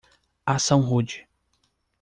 Ação rude